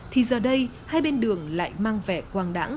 thì giờ đây hai bên đường lại mang vẻ quang đẳng